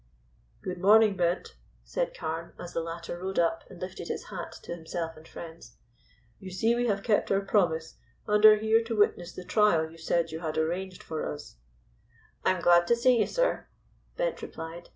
"Good morning, Bent," said Carne, as the latter rode up and lifted his hat to himself and friends. "You see we have kept our promise, and are here to witness the trial you said you had arranged for us." "I am glad to see you, sir," Bent replied.